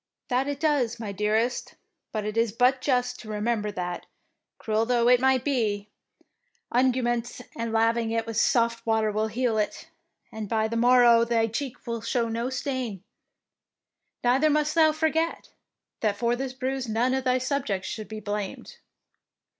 " That it does, my dearest, but it is but just to remember that, cruel though it be, unguents and laving it with soft water will heal it, and by the mor row thy cheek will show no stain. Neither must thou forget that for this bruise none of thy subjects should be blamed."